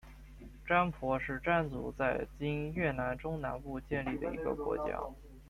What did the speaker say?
占婆是占族在今越南中南部建立的一个国家。